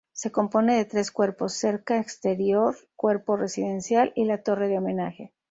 Se compone de tres cuerpos: cerca exterior, cuerpo residencial y la torre de homenaje.